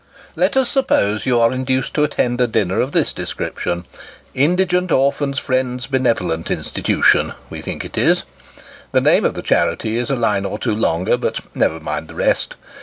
Let us suppose you are induced to attend a dinner of this description " Indigent Orphans' Friends' Benevolent Institution," we think it is. The name of the charity is a line or two longer, but never mind the rest.